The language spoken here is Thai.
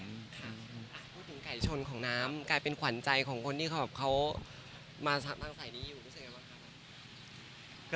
พูดถึงไก่ชนของน้ำกลายเป็นขวัญใจของคนที่เขามาสร้างใส่นี้อยู่รู้สึกยังไงบ้างครับ